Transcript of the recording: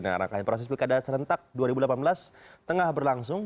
nah rangkaian proses pilkada serentak dua ribu delapan belas tengah berlangsung